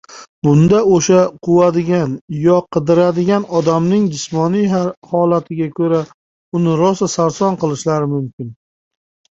Bunda oʻsha quvadigan yo qidiradigan odamning jismoniy holatiga koʻra uni rossa sarson qilishlari mumkin.